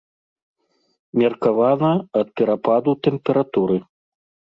Меркавана, ад перападу тэмпературы.